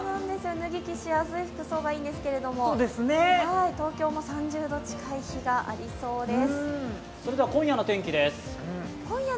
脱ぎ着しやすい服装がいいんですが、東京も３０度近い日がありそうです。